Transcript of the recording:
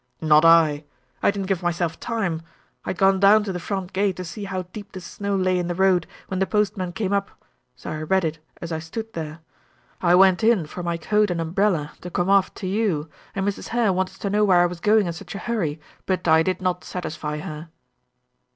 "Not I. I didn't give myself time. I had gone down to the front gate, to see how deep the snow lay in the road, when the postman came up; so I read it as I stood there. I went in for my coat and umbrella, to come off to you, and Mrs. Hare wanted to know where I was going in such a hurry, but I did not satisfy her."